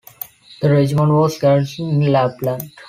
The regiment was garrisoned in Lapland.